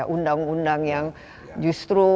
undang undang yang justru